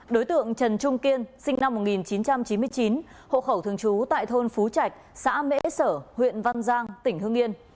đối tượng trần trung kiên sinh năm một nghìn chín trăm chín mươi chín hộ khẩu thường trú tại thôn phú trạch xã mễ sở huyện văn giang tỉnh hương yên